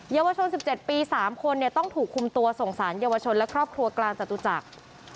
เยาวชน๑๗ปี๓คนต้องถูกคุมตัวส่งสารเยาวชนและครอบครัวกลางจตุจักร